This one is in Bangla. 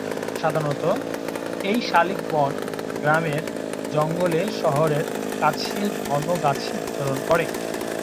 সাধারণত এই শালিক বন, গ্রামের জঙ্গলে, শহরের কাছে ঘন গাছে বিচরণ করে।